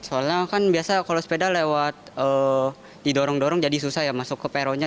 soalnya kan biasa kalau sepeda lewat didorong dorong jadi susah ya masuk ke peronnya